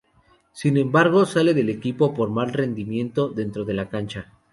Sin embargo sale del equipo por mal rendimiento dentro de la cancha.